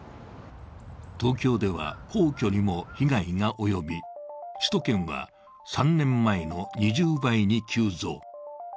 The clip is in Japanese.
東京では皇居にも被害が及び、首都圏は３年前の２０倍に急増。